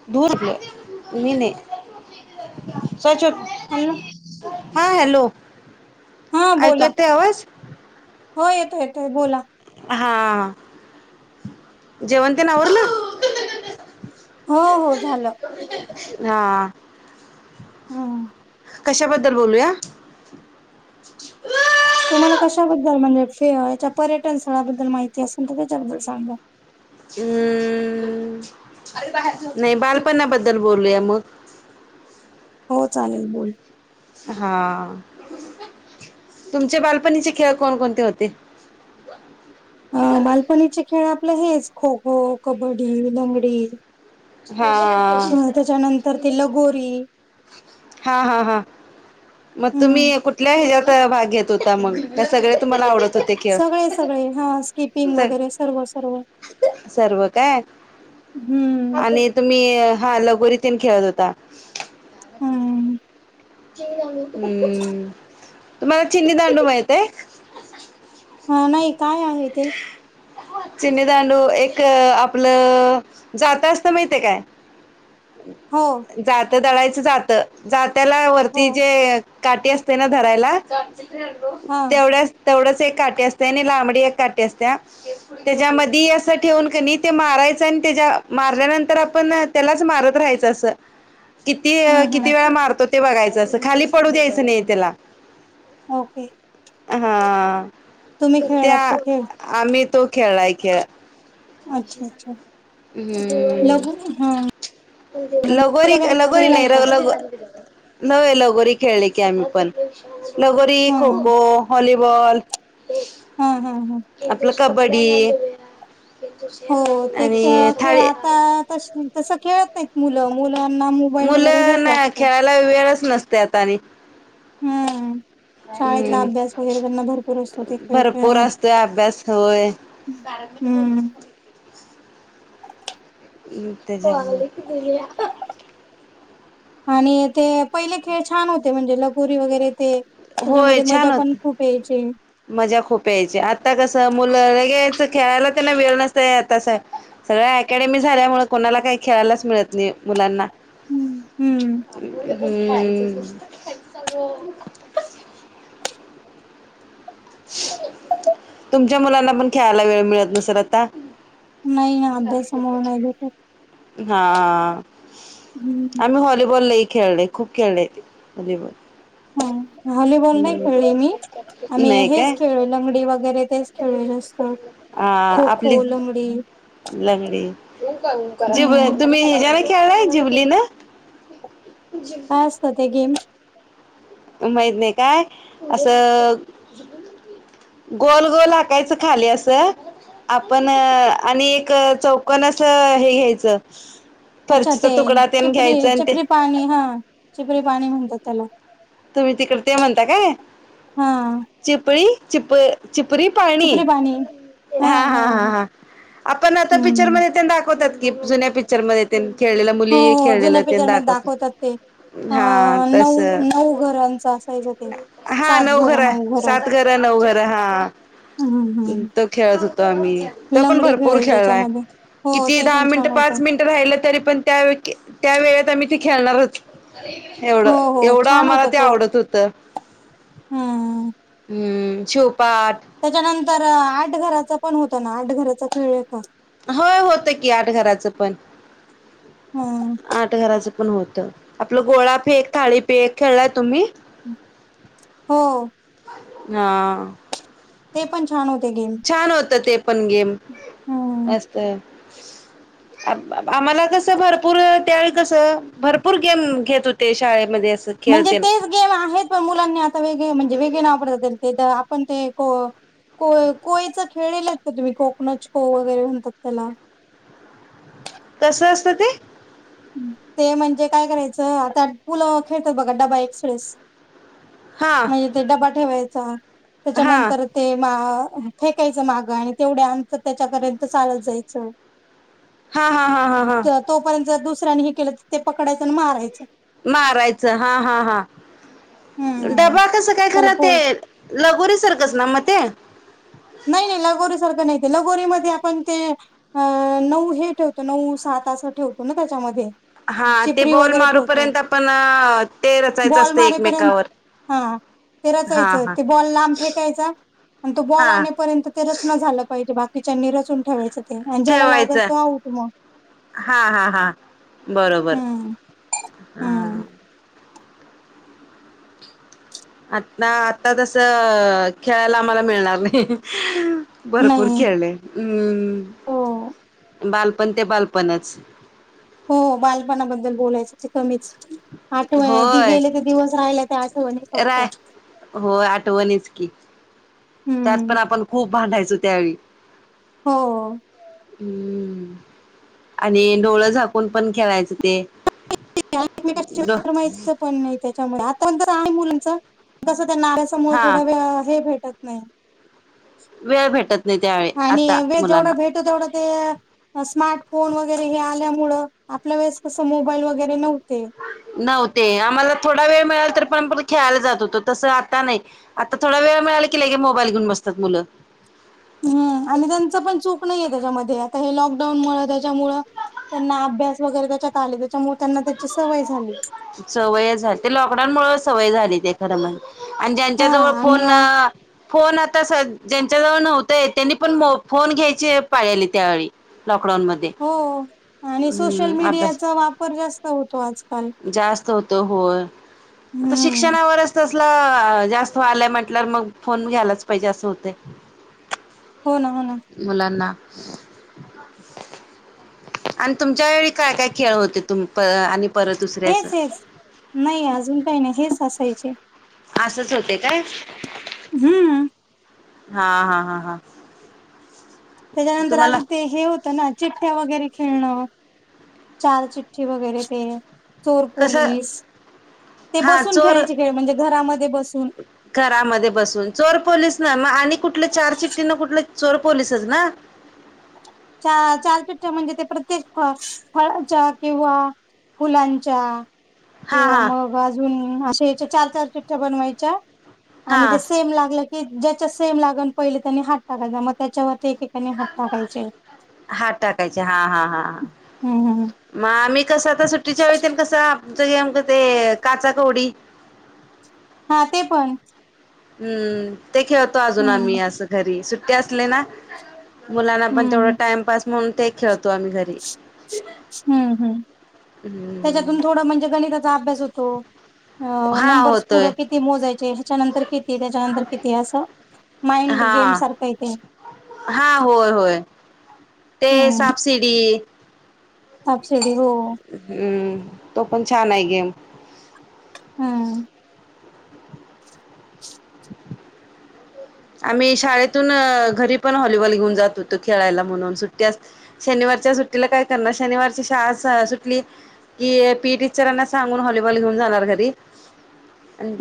[inaudible] दूरुपे मीने सच [inaudible] आल [unintelligible] हा हॅलो, हा ऐकू बोला येतय आवाज? हो येतो- येतोय बोला. हा, जेवण येन आवरलं? हो हो झालं [inaudible] हा आ हा [unintelligible] कशाबद्दल बोलूया? तुम्हाला कशाबद्दल, म्हणजे फे- हेच्या पर्यटन स्थळाबद्दल माहिती असेल तर त्याच्याबद्दल सांगा. अम्...... [unintelligible] नाही बालपणाबद्दल बोलूया मग. हो चालेल बोल. हा तुमचे बालपणीचे खेळ कोणकोणते होते? बाय [unintelligible] अ बालपणीचे खेळ आपलं हेच खो- खो, कबड्डी, लंगडी. हा अ त्याच्यानंतर ते लगोरी. हा- हा- हा मग हम्म तुम्ही कुट ठल्या हेच्यात भाग घेत होता मग? का सगळे तुम्हाला आवडत होते? क्य सगळे सगळे हा स्किपिंग स- वगैरे सर्व सर्व सर्व काय? हम्म आणि तुम्ही हा लगोरीतेन खेळत होता. हम्म चिन्नीदांडू हम्म तुम्हाला चिनीदांडू माहितेय? हा नाही काय आहे ते? चिनी दांडू एक आपलं जातं असतय माहितेय काय? ह [inaudible] हो. जात दळायचं जात, जात्याला हो वरती जे काठी असते ना धरायला [unintelligible] हा तेवढ्याच तेवढंच एक काटी असत्या आणि लांबडी एक काठी असत्या. तेज्यामधी असं ठेवून कनी ते मारायचं आणि तेज्या मारल्यानंतर आपण तेलाच मारत राहायचं असं. किती हम्म हम्म -किती वेळा मारतो ते बघायचं असं खाली पडू द्यायचं नाही तेला. ओके हा... तुम्ही त्या खेळलात तो खेळ आम्ही तो खेळाय खेळ. अच्छा अच्छा हम्म लगो हा [unintelligible] [inaudible] लगोरी वगैरे -लगोरी नाही, खेळलाय का? लगो नव्हे लगोरी खेळली की आम्ही पण [inaudible] लगोरी, हा खो- खो, हॉलीबॉल हा हा हा. [inaudible] आपलं [inaudible] बड्डी हो ते खेळ- खेळ थाळी आता तशे तसं खेळत नाहीत मुलं, मुलांना मोबाईल वगैरे हेच लागतो. लई वेळच नसतोय आता आणि हम्म [inaudible] शाळेतला हम्म... अभ्यास वगैरे त्यांना भरपूर असतो ते खेळ भरपूर खेळण्यात. असतोय अभ्यास होय... [unintelligible] हम्म ते जे [unintelligible] आणि ते पहिले खेळ छान होते, म्हणजे लगोरी वगैरे ते, होय त्याच्यामध्ये छान मजा पण होत खूप यायची. मजा खूप यायची, आता कसं मुलं लगेच खेळायला त्यांना वेळ नसतया तसं सगळ्या अकॅडमी झाल्यामुळ कोणाला काही खेळायलाच मिळत नाही, मुलांना. हम्म. हम्म. [unintelligible] तुमच्या मुलांना पण खेळायला वेळ मिळत नसल आता. नही ना, अभ्यासामुळ नाही भेटत. हां, हम्म. आम्ही हॉलिबॉल लई खेळले, खूप खेळले, हॉलिबॉल. व्हॉलीबॉल नाही खेळले मी, आम्ही नाही काय हेच खेळलो लंगडी वगैरे तेच खेळलो जास्त, हा खो- आपली खो, लंगडी. लंगडी जिब हम्म तुम्ही [unintelligible] ह्याच्यान खेळलाय जिबली न? काय असतं ते गेम? माहित नाही काय? असं गोल गोल आकायचं खाली असं आपण अ आणि एक अ चौकन अस अ हे घ्यायचं अच्छा फरचीचा ते तुकडा तेन घ्यायचं आणि ते चिपरी-चिपरी पाणी हं, चिपरी पाणी म्हणतात त्याला. तुम्ही तिकड ते म्हणता काय? हा चिपळी. चिप- चिपरी पाणी? हा हां हा हां ह हां हां आपण आता हम्म पिक्चरमध्ये तेन दाखवतात की, जुन्या पिक्चरमध्ये तेन खेळलेल्या हो मुली, हो, जुन्या खेळलेलं तेन पिक्चर मध्ये दाखवत, दाखवतात ते अ हा तस. नऊ नऊ घरांच असायचं ते हां सात नऊ घर, घरं सात घर, नऊ घर, हा. हम् हम हम्. तो खेळत होतो आम्ही, तो पण भरपूर खेळलाय त्याच्यामध्ये हो किती ते दहा पण मिनिट छान होत -पाच मिनिट राहिलं तरी पण त्या वे - त्या वेळेत आम्ही ते खेळणारच. हो एवढं, हो एवढं छान आम्हाला होता ते तो आवडत होतं. हम्म. ह्म, शिवपाठ. त्याच्यानंतर आठ घराचा पण होत ना, आठ घराचा खेळलाय का? होय होतं की आठ घराचं पण. हम्म. आठ घराचं पण होत, आपलं गोळा फेक, थाळी फेक खेळलाय तुम्ही? हो. हां. ते पण छान होते गेम. छान होत ते पण गेम हम्म मस्त. आम-आम्हाला कसं भरपूर, त्यावेळी कसं भरपूर गेम घेत होते शाळेमध्ये असं. म्हणजे खेळते तेच गेम आहेत, पण मुलांनी आता वेगळे, म्हणजे वेगळे नाव पडता ते, आपण ते को कोय-कोयीच खेळलेले का तुम्ही? कोकनच को वगैरे म्हणतात त्याला. कसं असतं ते? ते म्हणजे काय करायचं? आता पुलाव खेळत बघा डबा एक्सप्रेस हा म्हणजे ते डबा ठेवायचा, हा त्याच्यानंतर ते मा अ फेकायचं मागं आणि तेवढ्या आंतर त्याच्यापर्यंत चालत जायचं. हा हा हा हा हा. तोपर्यंत दुसऱ्यानी हे केलं तर.. ते पकडायचं अन मारायचं. मारायचं हा हा हा... हम्म डबा कसं काय... त्याला खरं ते पो लगोरी सारखंच ना मग ते? नाही नाही... लगोरी सारखं नाही ते.... लगोरीमध्ये आपण ते अ... नऊ हे ठेवतो.. नऊ सात असं ठेवतो ना त्याच्यामध्ये हा ते चिपरी बॉल वगैरे ठेवतो मारूपर्यंत... आपण... ते रचायचं बॉल असतं मारेपर्यंत एकमेकावर हा ते हा रचायचं... हा ते बॉल लांब फेकायचा आणि तो बॉल हा आणेपर्यंत पर्यंत ते रचनं झालं पाहिजे... बाकीच्यांनी रचून ठेवायचं. ते आणि ज्याला लागल ठेवायचं... तो आऊट मग हा हा हा बरोबर हम्म हा. हम्म आता... आता तसं... खेळायला आम्हाला मिळणार नाही. भरपूर नाही खेळले... हम्म... हो बालपण ते बालपणच! हो... बालपणाबद्दल बोलायचं ते कमीच. आठवण... होय गेले ते दिवस, राहिल्या त्या आठवणी! फक्त राय... हो... आठवणीच की... त्यात हम्म पण आपण खूप भांडायचो त्यावेळी हो. हम्म... आणि डोळं झाकून पण, खेळायचं ते [unintelligible] माहीत पण नाही त्याच्यामुळे... आता नंतर आहे मुलांच... पण कसं त्यांना नाराज त्यामुळे हा थोडा... वेळ... हे भेटत नाई. वेळ भेटत नाही... त्यावेळी... आता मुलांना तेवढं ते स्मार्टफोन वगैरे हे आल्यामुंळं... आपल्या वेळेस कसं मोबाईल वगैरे नव्हते. नव्हते... आम्हाला थोडा वेळ मिळाला... तर पण आम्ही खेळायला जात होतो.. तसं आता नाई. आता थोडा वेळ मिळाला कि लगेच मोबाईल घेऊन बसतात मुलं हम्म... आणि त्यांचं पण चूक नाहीये त्याच्यामध्ये... आता हे लॉकडाऊन मुळं... त्याच्यामुळं त्यांना अभ्यास वगैरे त्याच्यात आले... त्याच्यामुळे त्यांना त्याची सवय झाली. सवय झाली.. ते लॉकडाऊनमुळे सवय झाली... ते खरं म्हण आणि ज्यांच्या हा जवळ आणि फोन फोन आता स... ज्यांच्याजवळ नव्हते... त्यांनी पण फोन घ्यायची पाहेले त्यावेळी लॉकडाऊन मध्ये. हो... आणि सोशल हम्म अभ्यास मीडियाचा वापर जास्त होतो... आजकाल जास्त होतो... होय... आता हम्म शिक्षणावरच त तला... जास्त व्हायलंय म्हटल्या वर मग... फोन घ्यायलाच पाहिजे असं होतय. हो ना... हो ना. मुलांना आणि तुमच्या वेळी काय काय खेळ होते... तुम.. आणि परत? दुसरे असं हेच हेच... नाई... अजून काही नाही... हेच असायचे. आसेच होते काय? हूं. हा हा हा हा. त्याच्यानंतर.. आता तुम्हाला ते हे होतं ना चिठ्ठ्या वगैरे खेळणं... चार चिठ्ठी वगैरे ते चोर कसं पोलीस... ते हा बसून चोर खेळायचे खेळ... म्हणजे घरामध्ये बसून घरामध्ये बसून चोर पोलीस ना मग आणि कुठल्या चार चिठ््टठी ना कुठले चोर पोलीसच ना चचाार पिठठ म्हणजे ते प्रत्येक फ फळाच्या किंवा फुलांच्या हा किंवा हा मग अजून अे याच्या चार चार चिठठ्या बनवायच्या आणि हा ते सेम लागलं की ज्याच्या सेम लागन पहिले त्यांनी हात टाकायचा मग त्याच्यावरती त्यानी हात टाकायचे हात टाकायचे हा हा हा हा हम हम मग आम्ही कसं तर सुट्टीच्या वेळीती कसं आममक ते काचा कोडी हा ते पण हम्म ते खेळतो अजून हम्म आम्ही असं घरी सुट्टी असले ना मुलांना पण हम्म तेवढं टाइम पाास म्हणून ते खेळतो आम्ही घरी हम्म हम्म हम्म त्याच्यातून थोडं म्हणजे गणिताचा अभ्यास होतो अ हा नंबर्स होतोय पुढं किती मोजायचे ह्याच्यानंतर किती त्याच्यानंतर किती असं माइंड गेम हा सारखं इ तेे हा होय होय ते साबसिडी सबसिडी हो हम्म तो पण छान आहे गेम हम्म आम्ही शाळेतून घरी पण व्हॉलीबॉल घेऊन जात होतो खेळायला म्हणून सुट्ट्या शनिवारच्या सुट्टीला काय करणार शनिवारची शहा सुटली कि पी टीचरांना सांगून हॉललीबॉल घेऊन जाणार घरी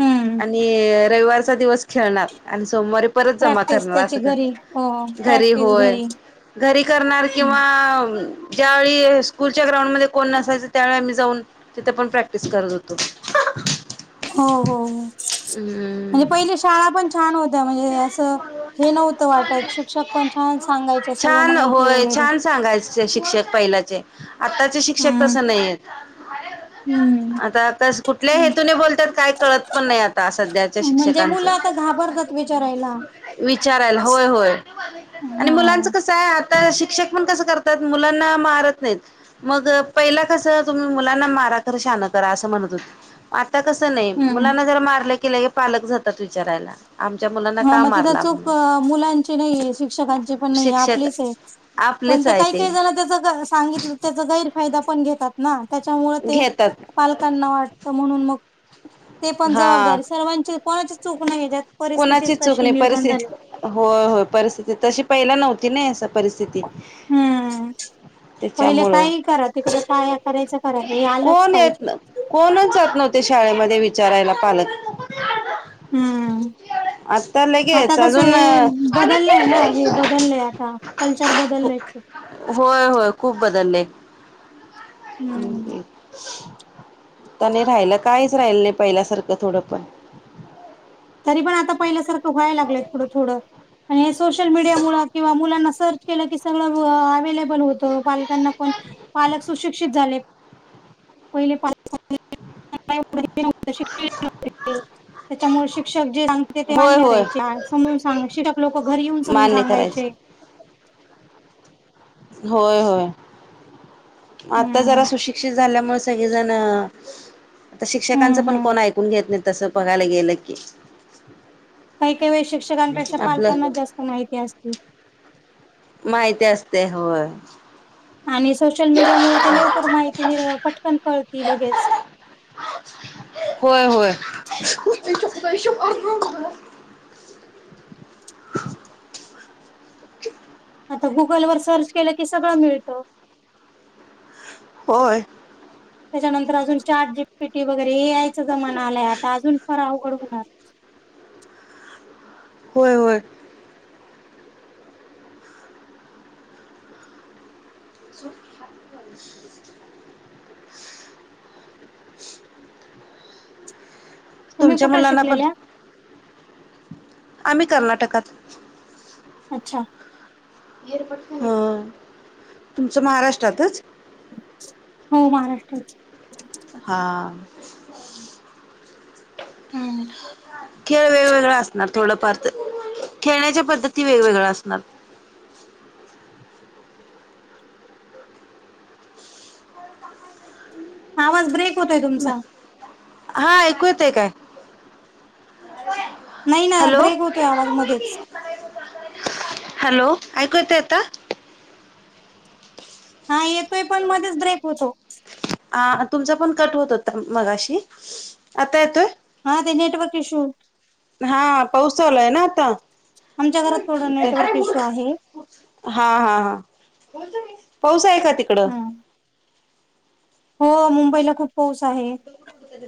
हम्म आणि रविवारचा दिवस खेळणार आणि सोमवारी परत जमा प्रॅक्टिस करणार अस त्याची घरी हो घरी प्रॅक्टिस होय घरी घरी करणार हम्म. किंवा ज्यावेळी स्कूलच्या ग्राउंडमध्येध्ये कोण नसायचं त्यावेळी आम्ही जाऊन तिथे पण प्रॅक्टिस करत होतो हो हो म्हणजे हम्म पहिली शाळा पण छान होत्या म्हणजे असं हे नव्हतं वाटत शिक्षक पणच्याान सांगायचे सर्व छान माहिती होय वगैरे छान सांगायचे शिक्षक पहिल्याचे आताचे शिक्षक तस हम्म नाहीयेत हम्म आता कस कुठल्या हम्म. हेतूने बोलतात काय कळत पण नाही आता सध्याच्या म्हणजे शिक्षकांचं मुलं आता घाबरतात विचारायला विचारायला होय होय आणि मुलांचं हम्म कसं आहे आता शिक्षक पण कसं करतात मुलांना मारत नाहीत मग पहिला कस तुम्ही मुलांना मारा खरं शान करा असं म्हणत होते कस नाही हम्म मुलांना जर मारलं केलं पालक जातात विचारायला आ हा मग तिथ चूक मुलांची नाही आहेे शिक्षकांचे पण नाही आहे शिक्षक आपलेच आहे पण आपलीच ते आहे काही काही झालं त्याच सांगितलं त्याचा गैरफायदा पण घेतात ना त्याच्यामुळे ते घेतात पालकांना वाटतं म्हणून मग ते पण हा जबाबदारी सर्वांची कोणाची चूक नाही कोुणाची परिस्थितीच चूक तशी नाही निर्माण झाली. परिस्थ हो हो परिस्थिती तशी पहिला नव्हती नाही परिस्थिती हम्म पहिले त्याच्यामुळं काय करा तकडे काय करायचं करा हे आलंच कोण येत पाहिजे कोणच जात नव्हते शाळेमध्ये विचारायला पालक हम्म आता आता लगेच कस हे अजून बदललय ना हे बदललंय आता कल्चर बदललंय होय होय खूप बदलले हम्म नाही राहिला कायच राहिल नाही पहिल्यासारखं थोडं पण तरी पण आता पहिल्यासारखं व्हायला लागलंय थोडं थोडं. आणि सोशल मीडिया मुळ किंवा मुलांना सर्च केलं की सगळं अव्लेबल होतं कॉल. त्याना पण पालक सुशिक्षित झाले पहिले पाले [inaudible] [inaudible] त्याच्यामुळे शिक्षक जे तेथ ते होय मान्य होय राहायचे समजून सांग शिक्षक लोक घरी येऊन समून मान्य सांगायचे. करायचं होय होय आता हम्म जरा सुशिक्षित झाल्यामुळे. सगळेजण आता हम्म शिक्षकांचं पण हम्म कोण ऐकून घेत नाही तसं बघायला गेलं की. काही काही वेळ शिक्षकांपेक्षा आपलं पालकांना जास्त माहिती असत. माहिती असते होय. आणि सोशल मीडिया ते लवकर माहिती मीर पटकन कळती लगेच. होय होय. [inaudible] आता गुगल वर सर्च केलं की सगळं मिळत. होय. त्याच्यानंतर अजून चार्ट जी पीटी वगैरे ए यायचा जमान आलाय आता अजून फार अवघड होणार. होय होय. सु [unintelligible] तुम्ही तुमच्या कुठे मुलांना पण शिकलेल्या. आम्ही कर्नाटकात. अच्छा. ह तुमचं महाराष्ट्रातच. हो महाराष्ट्राच. हा, हम्म. खेळ वेगवेगळा असणार थोडंफार तर खेळण्याच्या पद्धती वेगवेगळं असणार. आवाज ब्रेक होतोय तुमचा. हा ऐकू येत आहे काय. नाही नाही हॅलो. ब्रेक होतोय आवाज मध्येच. हॅलो ऐकू येत आता. हा येतोय पण मध्येच ब्रेक होतो. हा तुमचा पण कट होत होता मगाशी आता येतोय. हा ते नेटवर्कशू. हा पाऊसा चालू हाय ना आता. आमच्या घरात थोडा नेटवर्क इश्यू आहे. हा हा पाऊस आहे का तिकड. हा हो मुंबईला खूप पाऊस आहे. कुठलं तरी.